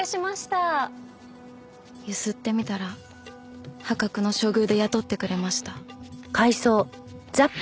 ゆすってみたら破格の処遇で雇ってくれました。